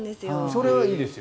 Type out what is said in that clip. それはいいです。